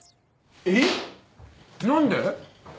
えっ？何で？